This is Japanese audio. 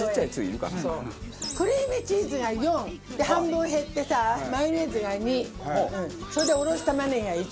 クリームチーズが４半分減ってさマヨネーズが２それでおろし玉ねぎが１。